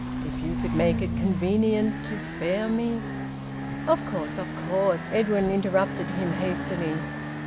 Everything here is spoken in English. If you could make it convenient to spare me " "Of course, of course!" Edwin interrupted him hastily.